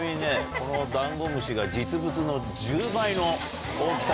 このダンゴムシが実物の１０倍の大きさで。